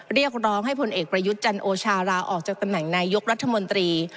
เรียกร้องให้ผลเอกประยุทธ์จันโอชาลาออกจากตำแหน่งนายกรัฐมนตรี